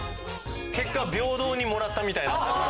結果平等にもらったみたい。